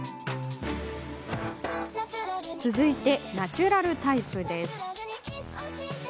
続いて、ナチュラルタイプです。